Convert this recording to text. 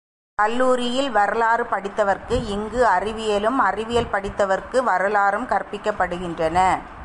கல்லூரியில் வரலாறு படித்தவர்கட்கு இங்கு அறிவியலும், அறிவியல் படித்தவர்கட்கு வரலாறும் கற்பிக்கப் படுகின்றன.